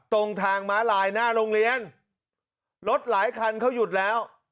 ตรงทางม้าลายหน้าโรงเรียนรถหลายคันเขาหยุดแล้ว